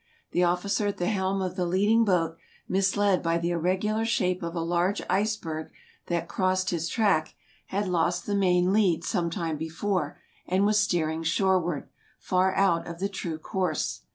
The officer at the helm of the leading boat, misled by the irregular shape of a large ice berg that crossed his track, had lost the main lead some time before, and was steering shoreward, far out of the true course.